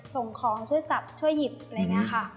ส่งของช่วยจับช่วยหยิบอะไรอย่างนี้ค่ะ